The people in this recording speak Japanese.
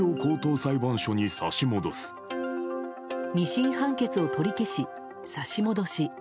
２審判決を取り消し、差し戻し。